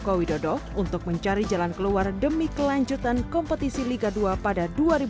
jokowi dodok untuk mencari jalan keluar demi kelanjutan kompetisi liga dua pada dua ribu dua puluh dua dua ribu dua puluh tiga